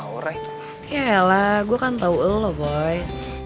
gak salah gue kan tau elu loh boy